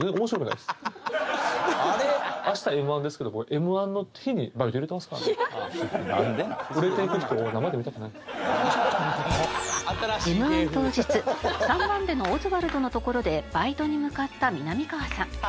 Ｍ−１当日３番手のオズワルドのところでバイトに向かったみなみかわさん。